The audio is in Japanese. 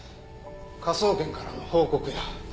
科捜研からの報告や。